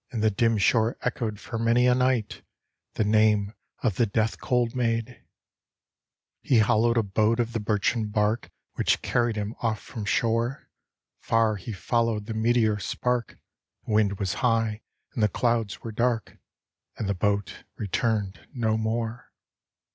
" And the dim shore echoed for many a night, The name of the death cold maid ! He hollowed a boat of the birchen bark, Which carried him off from shore; Far he followed the meteor spark. The wind was high and the clouds were dark, And die !x>at returned no more.